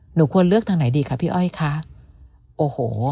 หนูควรเลือกทางไหนดีคะพี่อ้อยคะโอ้โห